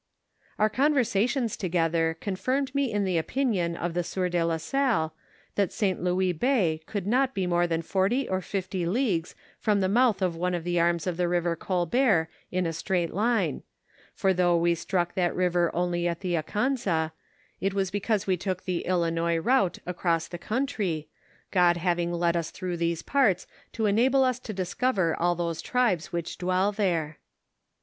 Oar conversations together confirmed me in the opinion of the sieur de la Salle, that St. Louis bay could not be more than forty or fifty leagues from the mouth of one of the arms of the river Colbert in a straight line, for though we struck that river only at the Akansa, it was because we took the Ili nois route across the country, God having led us through these parts to enable us to discover all those tribes which dwell there.